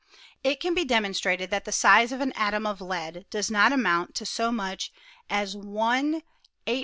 It can be demonstrated that the size of an atom of lead does not amount to so much as hw